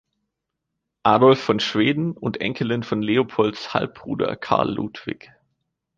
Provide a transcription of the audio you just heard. Adolf von Schweden und Enkelin von Leopolds Halbbruder Karl Ludwig.